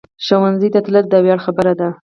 ښوونځی ته تلل د ویاړ خبره ده